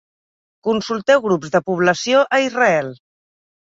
Consulteu Grups de població a Israel.